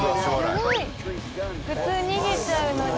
すごい！普通逃げちゃうのに。